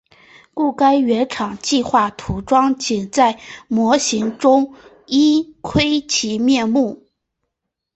故该原厂计画涂装仅能在模型中一窥其面目。